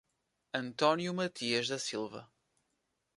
Antônio Mathias da Silva